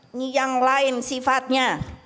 ini yang lain sifatnya